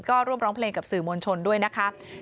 ก็ร่วมร้องเพลงกับสื่อมวลชนด้วยนะคะ